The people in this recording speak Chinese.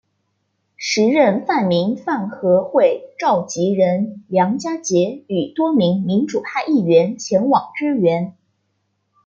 时任泛民饭盒会召集人梁家杰与多名民主派议员前往支援。